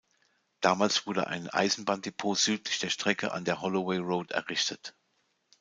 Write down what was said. Damals wurde ein Eisenbahndepot südlich der Strecke an der Holloway Road errichtet.